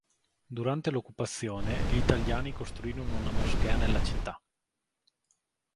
Durante l'occupazione, gli italiani costruirono una moschea nella città.